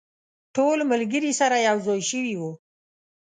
ټول ملګري سره یو ځای شوي وو.